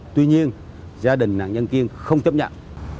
tuy nhiên gia đình nạn nhân kiên không chấp nhận